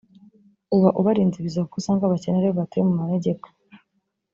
uba ubarinze ibiza kuko usanga abakene ari bo batuye mu manegeka